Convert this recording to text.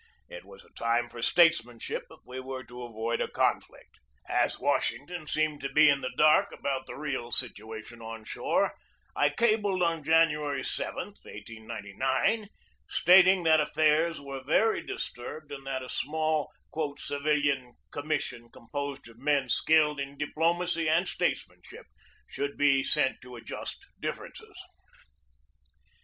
It was a time for statesmanship if we were to avoid a conflict. As Washington seemed to be in the dark about the real 00 W SINCE MANILA 285 situation on shore, I cabled on January 7, 1899, stat ing that affairs were very disturbed and that a small "civilian commission composed of men skilled in di plomacy and statesmanship should be sent to adjust differences."